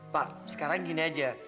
pak sekarang gini aja